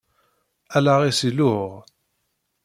Allaɣ-is iluɣ.